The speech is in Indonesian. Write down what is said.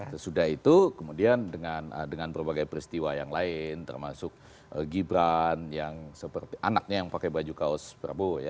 sesudah itu kemudian dengan berbagai peristiwa yang lain termasuk gibran yang seperti anaknya yang pakai baju kaos prabowo ya